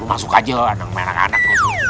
masuk aja loh anak anak